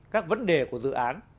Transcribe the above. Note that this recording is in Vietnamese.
các vấn đề của dự án